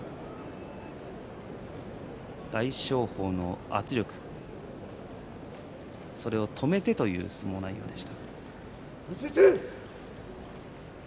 大翔鵬の圧力、それを止めてという相撲内容でした。